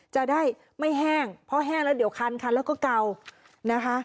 จะได้ไม่แห้งเพราะแห้งแล้วเดี๋ยวคันคันแล้วก็เก่านะคะ